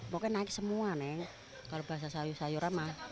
pokoknya naik semua kalau bahasa sayur sayur